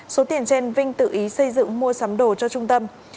số tiền trên vinh tự ý xây dựng mua sắm đồ cho trung tâm